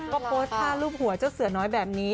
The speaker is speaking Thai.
ก็โพสต์ภาพรูปหัวเจ้าเสือน้อยแบบนี้